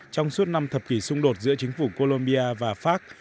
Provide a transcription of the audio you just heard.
trong suốt năm thập kỷ xung đột giữa chính phủ colombia và pháp